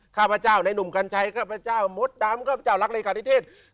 ข้าพเจ้าในหนุ่มกัญชัยข้าพเจ้ามดดำข้าพเจ้ารักเลขาธิเทศ